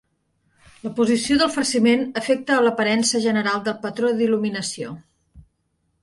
La posició del farciment afecta a l'aparença general del patró d'il·luminació.